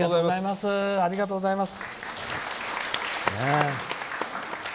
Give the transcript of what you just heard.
ありがとうございます。